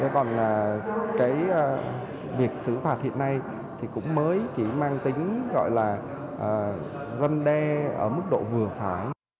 còn cái việc xử phạt hiện nay thì cũng mới chỉ mang tính gọi là răn đe ở mức độ vừa phải